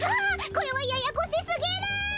これはややこしすぎる！